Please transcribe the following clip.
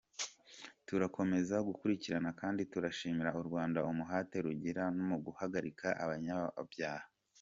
Tuzakomeza gukurikirana kandi turashimira u Rwanda umuhate rugira mu guhagarika abanyabyaha.